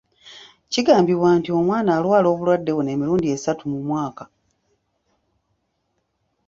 Kigambibwa nti omwana alwala obulwadde buno emirundi esatu mu mwaka